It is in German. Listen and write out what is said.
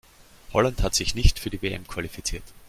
Holland hat sich nicht für die WM qualifiziert.